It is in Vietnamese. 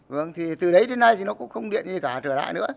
vâng thì từ đấy đến nay thì nó cũng không điện gì cả trở lại nữa